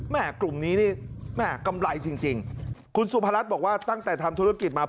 กลุ่มนี้นี่แม่กำไรจริงคุณสุพรัชบอกว่าตั้งแต่ทำธุรกิจมา